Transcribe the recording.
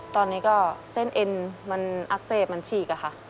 ตอนนี้ก็เส้นเอ็นมันอักเสบมันฉีกอะค่ะ